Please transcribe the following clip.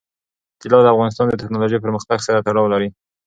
طلا د افغانستان د تکنالوژۍ پرمختګ سره تړاو لري.